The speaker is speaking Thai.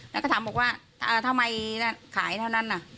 แล้วก็ถามบอกว่าทำไมขายเท่านั้น